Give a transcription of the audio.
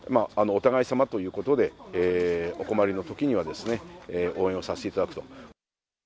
お互いさまということで、お困りのときには、応援をさせていただくと。